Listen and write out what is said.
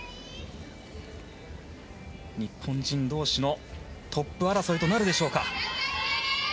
日本人同士のトップ争いとなるでしょうか。